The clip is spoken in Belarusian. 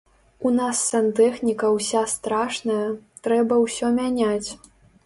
У нас сантэхніка ўся страшная, трэба ўсё мяняць.